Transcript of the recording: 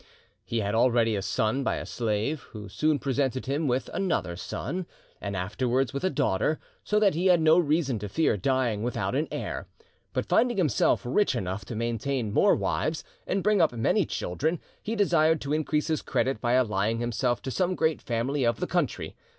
He had already a son by a slave, who soon presented him with another son, and afterwards with a daughter, so that he had no reason to fear dying without an heir. But finding himself rich enough to maintain more wives and bring up many children, he desired to increase his credit by allying himself to some great family of the country.